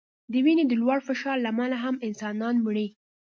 د وینې د لوړ فشار له امله هم انسانان مري.